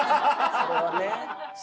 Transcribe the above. それはね。